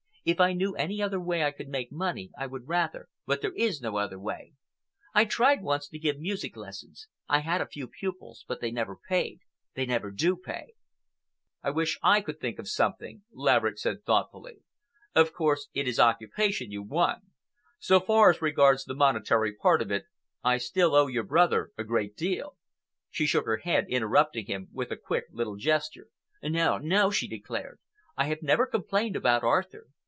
If I knew any other way I could make money, I would rather, but there is no other way. I tried once to give music lessons. I had a few pupils, but they never paid—they never do pay. "I wish I could think of something," Laverick said thoughtfully. "Of course, it is occupation you want. So far as regards the monetary part of it, I still owe your brother a great deal—" She shook her head, interrupting him with a quick little gesture. "No, no!" she declared. "I have never complained about Arthur.